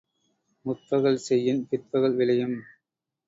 முற்பகல் செய்யின் பிற்பகல் விளையும்.